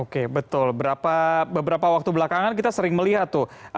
oke betul beberapa waktu belakangan kita sering melihat tuh